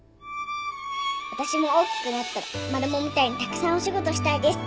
「私も大きくなったらマルモみたいにたくさんお仕事したいです」